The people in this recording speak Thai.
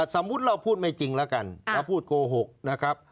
สมมุติเราพูดไม่จริงแล้วกันเราพูดโกหกนะครับ